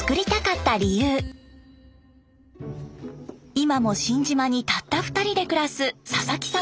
今も新島にたった２人で暮らす佐々木さん